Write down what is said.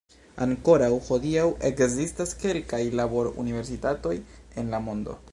Ankoraŭ hodiaŭ ekzistas kelkaj labor-universitatoj en la mondo.